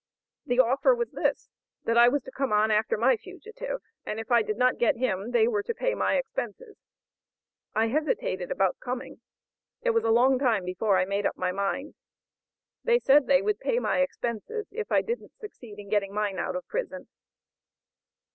the offer was this, that I was to come on after my fugitive, and if I did not get him they were to pay my expenses; I hesitated about coming; it was a long time before I made up my mind; they said they would pay my expenses if I didn't succeed in getting mine out of prison."